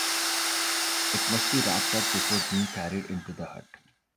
It must be wrapped up before being carried into the hut.